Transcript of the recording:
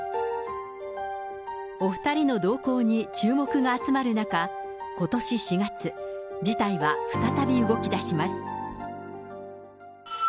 お２人の動向に注目が集まる中、ことし４月、事態は再び動きだします。